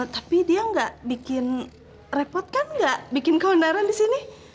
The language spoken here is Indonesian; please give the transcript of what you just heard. tapi dia nggak bikin repot kan nggak bikin keonaran di sini